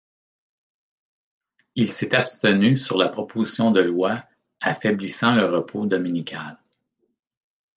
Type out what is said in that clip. Il s'est abstenu sur la proposition de loi affaiblissant le repos dominical.